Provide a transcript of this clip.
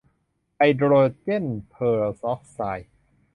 ไฮโดรเจนเพอร์ออกไซด์